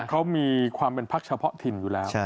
เขามีความเป็นพักเฉพาะถิ่นอยู่แล้ว